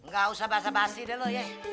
nggak usah bahasa basi deh lo ya